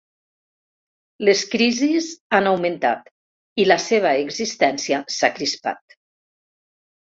Les crisis han augmentat i la seva existència s'ha crispat.